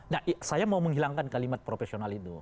nah saya mau menghilangkan kalimat profesional itu